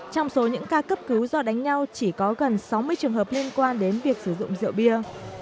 trong số những ca cấp cứu do đánh nhau chỉ có gần sáu mươi trường hợp liên quan đến việc sử dụng rượu bia